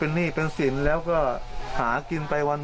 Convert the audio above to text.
โอ้โฮหมดเลยเหรอคุณนัทพร่อง